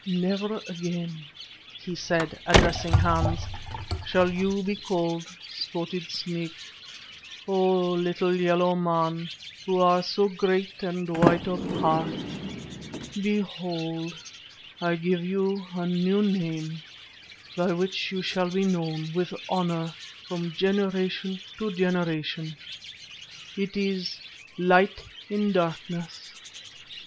"Never again," he said, addressing Hans, "shall you be called Spotted Snake, O little yellow man who are so great and white of heart. Behold! I give you a new name, by which you shall be known with honour from generation to generation. It is 'Light in Darkness.